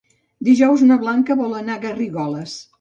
Dijous na Blanca vol anar a Garrigoles.